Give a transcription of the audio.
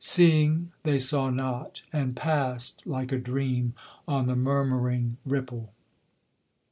Seeing they saw not, and passed, like a dream, on the murmuring ripple.